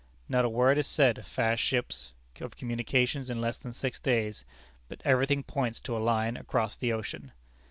Not a word is said of fast ships, of communications in less than six days, but every thing points to a line across the ocean.